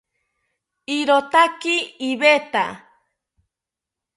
Irotaki iveta